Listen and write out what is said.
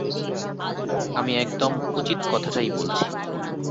আমি একদম উচিত কথাটাই বলছি।